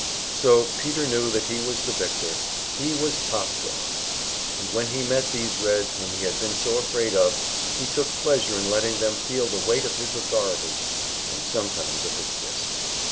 So Peter knew that he was the victor, he was "top dog." And when he met these Reds whom he had been so afraid of, he took pleasure in letting them feel the weight of his authority, and sometimes of his fist.